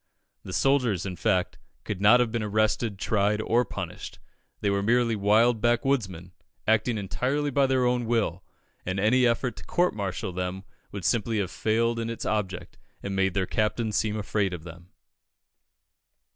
The soldiers, in fact, could not have been arrested, tried, or punished; they were merely wild backwoodsmen, "acting entirely by their own will, and any effort to court martial them would simply have failed in its object, and made their Captain seem afraid of them."